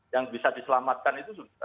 yang bisa diselamatkan itu